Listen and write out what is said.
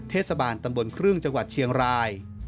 เทศบาลตำบลครึ่งจังหวัดเชียงราย